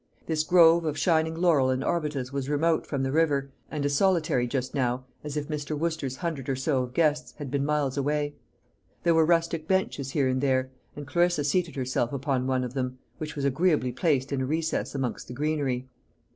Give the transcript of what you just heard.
This grove of shining laurel and arbutus was remote from the river, and as solitary just now as if Mr. Wooster's hundred or so of guests had been miles away. There were rustic benches here and there: and Clarissa seated herself upon one of them, which was agreeably placed in a recess amongst the greenery.